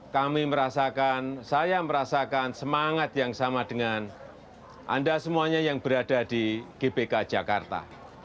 kami merasakan saya merasakan semangat yang sama dengan anda semuanya yang berada di gbk jakarta